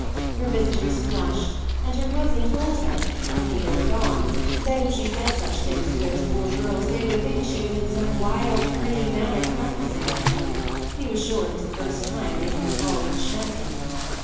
Her visitors flushed, and her cousin told her, after they were gone, that if she said such things to those poor girls they would think she was in some wild, free manner practising on them: he was sure it was the first time they had been called enchanting.